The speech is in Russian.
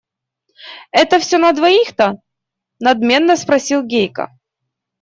Это все на двоих-то? – надменно спросил Гейка.